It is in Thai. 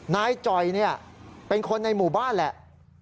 จ่อยเป็นคนในหมู่บ้านแหละ